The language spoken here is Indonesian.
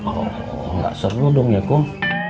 oh nggak seru dong ya kong